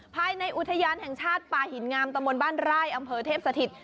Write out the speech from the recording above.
ภายในอุทยานแห่งชาติป่าหินงามตะมนต์บ้านไร่อำเภอเทพสถิต